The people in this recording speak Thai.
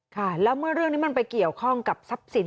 ค่ะแล้วเมื่อเรื่องนี้มันไปเกี่ยวข้องกับทรัพย์สิน